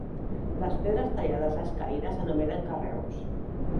Les pedres tallades a escaire s'anomenen carreus.